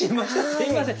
すいません。